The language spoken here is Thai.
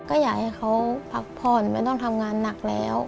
ก็อยากให้เขาพักผ่อนไม่ต้องทำงานหนักแล้ว